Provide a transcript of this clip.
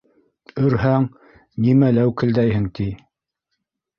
Өрһәң, нимә ләүкелдәйһең, ти.